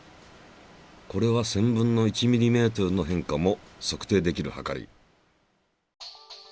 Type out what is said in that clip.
これは１，０００分の１ｍｍの変化も測定できるはかり。